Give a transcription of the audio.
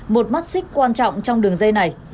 một mắt xích quan trọng trong đường dây này